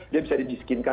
dia bisa di disekinkan